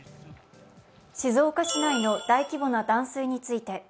静岡市内の大規模な断水について。